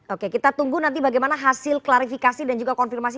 oke kita tunggu nanti bagaimana hasil klarifikasi dan juga konfirmasi